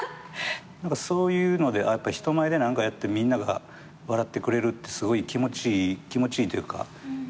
そういうので人前で何かやってみんなが笑ってくれるってすごい気持ちいい気持ちいいというか楽しいなみたいな。